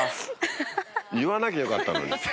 言わなきゃよかったのに。